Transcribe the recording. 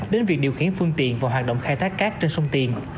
đến việc điều khiển phương tiện và hoạt động khai thác cát trên sông tiền